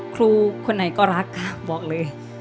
ครูคนไหนก็รักค่ะบอกเลย